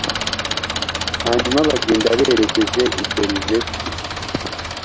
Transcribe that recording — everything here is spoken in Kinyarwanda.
hanyuma bagenda berekeje i berizeti